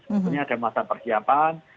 sebetulnya ada masa persiapan